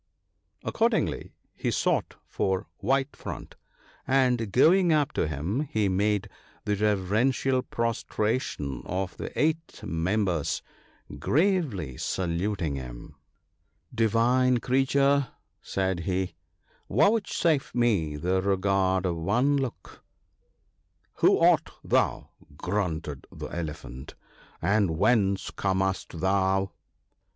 Accordingly, he sought for ' White front,' and, going up to him, he made the reverential prostration of the eight members ( 44 ), gravely saluting him. i THE WINNING OF FRIENDS. 5 1 ' Divine creature,' said he, * vouchsafe me the regard of one look/ ' Who art thou ?' grunted the Elephant, ' and whence comest thou